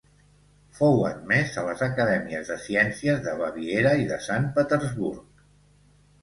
Fou admès a les Acadèmies de Ciències de Baviera i de Sant Petersburg.